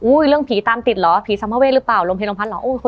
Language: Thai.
อู้ยเรื่องผีตามติดเหรอผีซัมภเวร์รึเปล่า